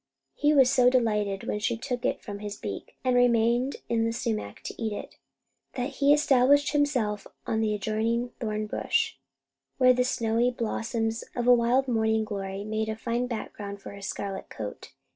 He was so delighted when she took it from his beak, and remained in the sumac to eat it, that he established himself on an adjoining thorn bush, where the snowy blossoms of a wild morning glory made a fine background for his scarlet coat.